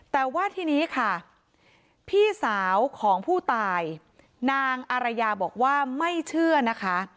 แต่ว่าทีนี้ค่ะพี่สาวของผู้ตายนางอารยาบอกว่าไม่เชื่อนะคะ